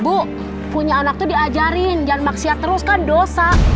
bu punya anak tuh diajarin jangan maksiat terus kan dosa